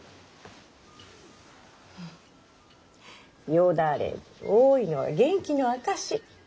よだれの多いのは元気な証し。